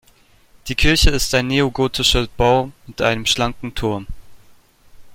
Die Kirche ist ein neogotischer Bau mit einem schlanken Turm.